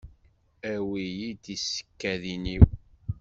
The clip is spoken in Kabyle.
Awi-yi-d tisekkadin-iw.